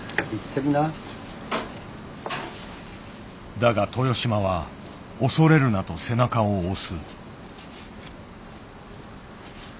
だが豊島は恐れるなと背中を押す。